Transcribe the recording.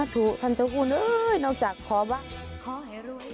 ถูกท่านเจ้าคุณนอกจากขอบ้าง